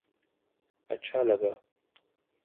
اچھا لگا